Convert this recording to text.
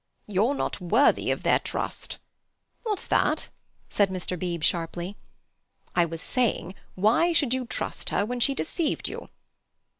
"You're not worthy of their trust." "What's that?" said Mr. Beebe sharply. "I was saying, why should you trust her when she deceived you?"